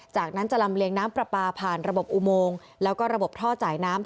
จากนั้นจะลำเลียงน้ำปลาปลาผ่านระบบอุโมงแล้วก็ระบบท่อจ่ายน้ำ